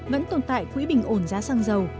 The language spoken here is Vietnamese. vẫn tồn tại quỹ bình ổn giá xăng dầu